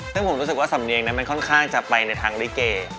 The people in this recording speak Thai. ซึ่งผมรู้สึกว่าสำเนียงนั้นมันค่อนข้างจะไปในทางลิเก